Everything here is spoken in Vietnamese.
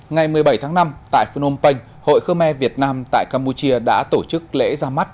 ngày một mươi bảy tháng năm tại phnom penh hội khơ me việt nam tại campuchia đã tổ chức lễ ra mắt